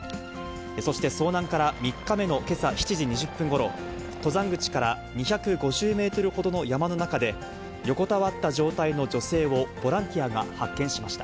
そして遭難から３日目のけさ７時２０分ごろ、登山口から２５０メートルほどの山の中で、横たわった状態の女性を、ボランティアが発見しました。